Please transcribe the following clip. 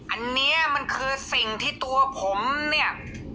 อันนี้มันคือสิ่งที่ตัวผมเนี่ย